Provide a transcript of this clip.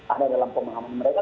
ada dalam pemahaman mereka